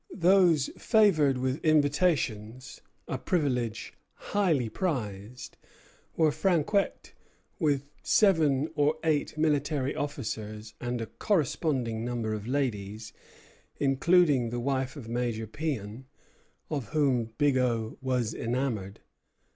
Those favored with invitations, a privilege highly prized, were Franquet, with seven or eight military officers and a corresponding number of ladies, including the wife of Major Péan, of whom Bigot was enamoured.